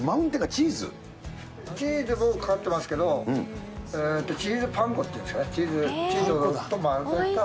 チーズもかかってますけどチーズパン粉っていうんですかね。